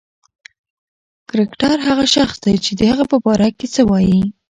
کرکټر هغه شخص دئ، چي د هغه په باره کښي څه وايي.